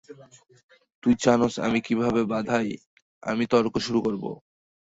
তুই জানিস আমি কিভাবে বাঁধাই, আমি তর্ক শুরু করবো।